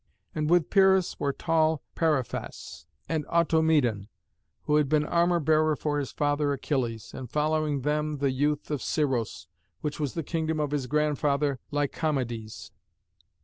And with Pyrrhus were tall Periphas, and Automedon, who had been armour bearer to his father Achilles, and following them the youth of Scyros, which was the kingdom of his grandfather Lycomedes.